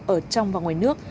ở trong và ngoài nước